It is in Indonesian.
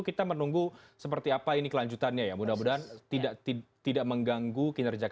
kita menunggu seperti apa ini kelanjutannya ya mudah mudahan tidak mengganggu kinerja kpk